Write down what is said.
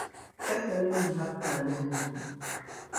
Pa saliŋ' lɔha ka o lɔhi maa?